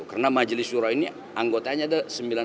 karena majelis shuro ini anggotanya ada sembilan puluh sembilan